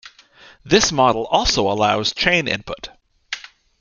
This model also allows chain input.